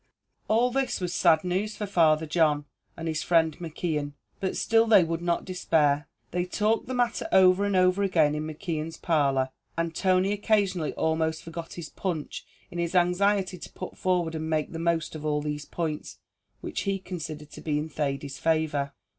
All this was sad news for Father John, and his friend McKeon, but still they would not despair. They talked the matter over and over again in McKeon's parlour, and Tony occasionally almost forgot his punch in his anxiety to put forward and make the most of all those points, which he considered to be in Thady's favour.